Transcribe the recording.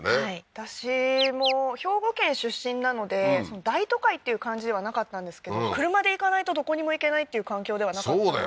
私も兵庫県出身なので、大都会という感じではなかったんですけど、車で行かないとどこにも行けないという環境ではなかったので。